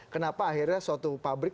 kenapa akhirnya suatu pabrik